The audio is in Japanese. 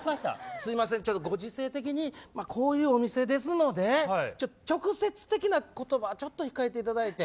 すみません、ご時世的にこういうお店ですので直接的な言葉はちょっと控えていただいて。